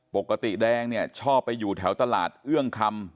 ปกติแดงเนี่ยชอบไปอยู่แถวตลาดเอื้องคำ